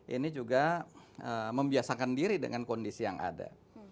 ini juga membiasakan diri dengan kondisi yang ada